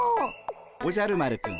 おじゃる丸くん